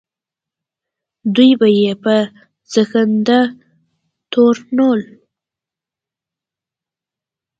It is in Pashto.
دوی به یې په زندقه تورنول.